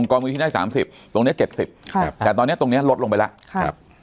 องค์กรมือที่ได้สามสิบตรงเนี้ยเจ็ดสิบค่ะแต่ตอนเนี้ยตรงเนี้ยลดลงไปแล้วค่ะ